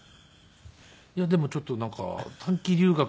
「いやでもちょっとなんか短期留学」。